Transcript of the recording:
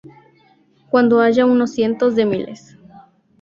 Cuando haya unos cientos de miles